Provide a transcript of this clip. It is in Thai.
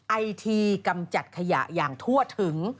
ไอทีกำจัดขยะอย่างทั่วถึง